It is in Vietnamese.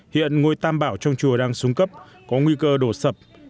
hiện ngôi tam bảo trong chùa đang xuống cấp có nguy cơ đổ sập